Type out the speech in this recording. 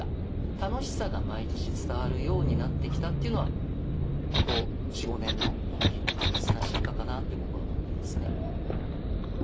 楽しさが毎年伝わるようになってきたっていうのはここ４５年の本金の確実な進化かなって僕は思ってますね。